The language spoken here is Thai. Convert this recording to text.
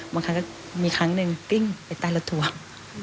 บางครั้งก็มีครั้งหนึ่งติ้งไปตายแล้วถ่วง